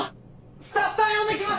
スタッフさん呼んできます！